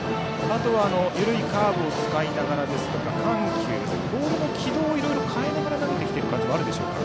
あとは緩いカーブを使いながらですとか緩急、ボールの軌道をいろいろ変えながら投げてきている感じもあるでしょうか。